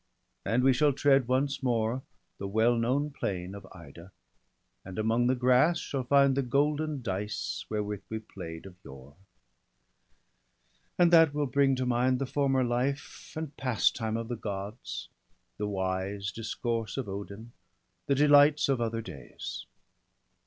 And we shall tread once more the well known plain 1 88 BALDER DEAD. Of Ida, and among the grass shall find The golden dice wherewith we play'd of yore; And that will bring to mind the former life And pastime of the Gods, the wise discourse Of Odin, the delights of other days.